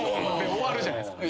終わるじゃないですか。